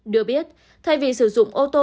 được biết thay vì sử dụng ô tô